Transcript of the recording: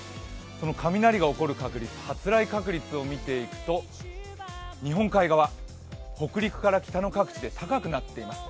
雷が起こる確率、発雷確率を見ていくと日本海側、北陸から北の各地で高くなっています。